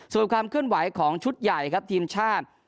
ส่วนความเคลื่อนไหวของชุดใหญ่ครับทีมชาติ